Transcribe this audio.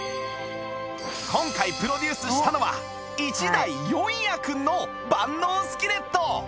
今回プロデュースしたのは１台４役の万能スキレット